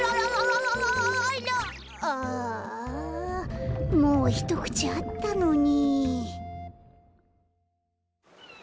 ああもうひとくちあったのに。